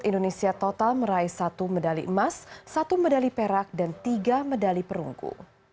indonesia total meraih satu medali emas satu medali perak dan tiga medali perunggu